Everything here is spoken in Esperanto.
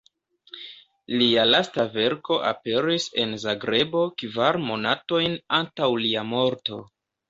Lia lasta verko aperis en Zagrebo kvar monatojn antaŭ lia morto.